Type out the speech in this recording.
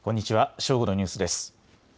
正午のニュースです。